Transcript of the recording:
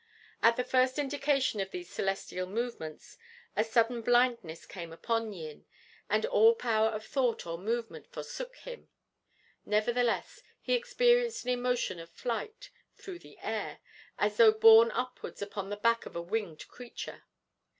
At the first indication of these celestial movements a sudden blindness came upon Yin, and all power of thought or movement forsook him; nevertheless, he experienced an emotion of flight through the air, as though borne upwards upon the back of a winged creature.